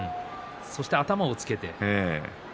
そして頭をつけました。